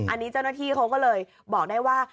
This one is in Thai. อันนี้เจ้าหน้าที่เขาก็เลยบอกได้ว่า